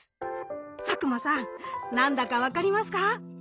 佐久間さん何だか分かりますか？